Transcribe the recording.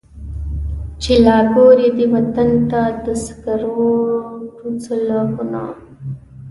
چي لا ګوري دې وطن ته د سکروټو سېلابونه.